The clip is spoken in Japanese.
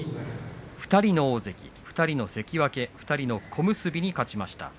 ２人の大関、２人の関脇２人の小結に勝ちました。